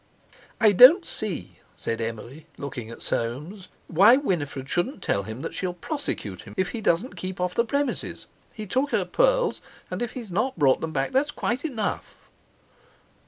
"I don't see," said Emily, looking at Soames, "why Winifred shouldn't tell him that she'll prosecute him if he doesn't keep off the premises. He took her pearls; and if he's not brought them back, that's quite enough."